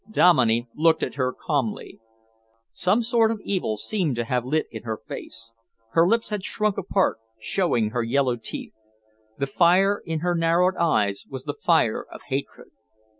Dominey looked at her calmly. Some sort of evil seemed to have lit in her face. Her lips had shrunk apart, showing her yellow teeth. The fire in her narrowed eyes was the fire of hatred.